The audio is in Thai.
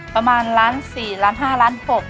ประมาณล้านสี่ล้านห้าล้านหก